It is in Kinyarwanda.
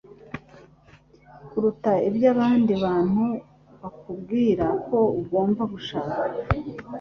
kuruta ibyo abandi bantu bakubwira ko ugomba gushaka.